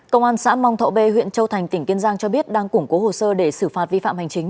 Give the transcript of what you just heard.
công an xã mong thọ b huyện châu thành tỉnh kiên giang cho biết đang củng cố hồ sơ để xử phạt vi phạm hành chính